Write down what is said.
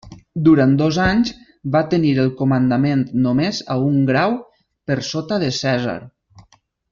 Durant dos anys va tenir el comandament només a un grau per sota de Cèsar.